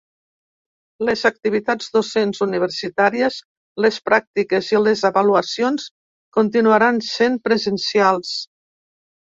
Les activitats docents universitàries, les pràctiques i les avaluacions continuaran sent presencials.